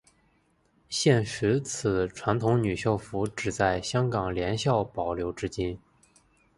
现时此传统女校服只在香港联校保留至今。